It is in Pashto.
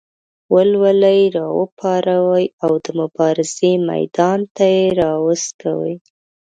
ولولې یې راوپاروي او د مبارزې میدان ته یې راوڅکوي.